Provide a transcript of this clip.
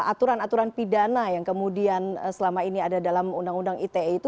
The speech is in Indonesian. aturan aturan pidana yang kemudian selama ini ada dalam undang undang ite itu